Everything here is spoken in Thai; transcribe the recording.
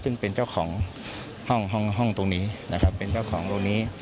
ซึ่งเป็นเจ้าของห้องตรงนี้เป็นเจ้าของตรงนี้